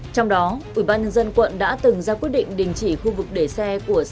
trong đó ủy ban nhân dân quận đã từng ra quyết định đình chỉ khu vực để xe